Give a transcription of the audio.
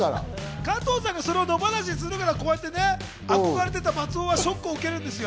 加藤さんが野放しにするから、松尾はショックを受けるんですよ。